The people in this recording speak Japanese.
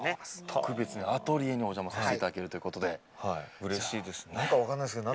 特別にアトリエにお邪魔させていただけるうれしいですね。